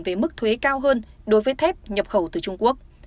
về mức thuế cao hơn đối với thép nhập khẩu từ trung quốc